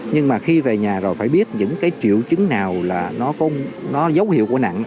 nhưng mà khi về nhà rồi phải biết những cái triệu chứng nào là nó dấu hiệu của nặng